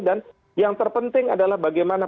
dan yang terpenting adalah bagaimana